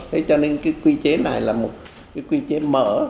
thế cho nên cái quy chế này là một cái quy chế mở